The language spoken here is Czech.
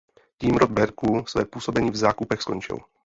Tím rod Berků své působení v Zákupech skončil.